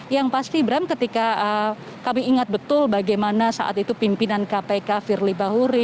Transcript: yang pasti ibram ketika kami ingat betul bagaimana saat itu pimpinan kpk firly bahuri